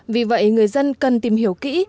vì vậy người dân cần tìm hiểu kỹ